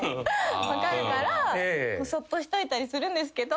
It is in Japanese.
分かるからそっとしといたりするんですけど。